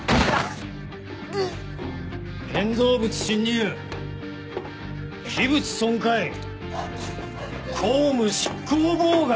建造物侵入器物損壊公務執行妨害。